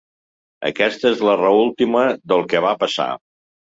Aquesta és la raó última del que va passar.